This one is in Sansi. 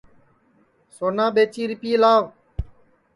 سونا ٻیچی رِپئے لاو